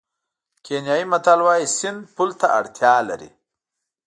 کینیايي متل وایي سیند پل ته اړتیا لري.